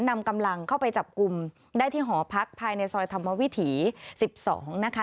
นำกำลังเข้าไปจับกลุ่มได้ที่หอพักภายในซอยธรรมวิถี๑๒นะคะ